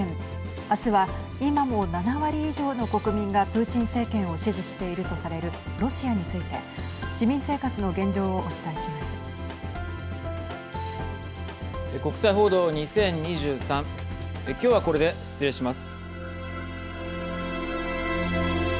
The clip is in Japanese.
明日は今も７割以上の国民がプーチン政権を支持しているとされるロシアについて市民生活の現状をお伝えします。